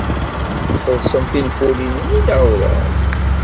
Txellṣemt tinfulin-nni neɣ werɛad?